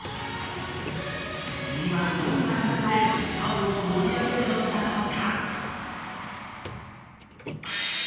次はどんな形でファンを盛り上げるのだろうか。